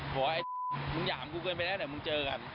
ว่าไอ้มึงหยามกูเกินไปแล้วเดี๋ยวมึงเจอกัน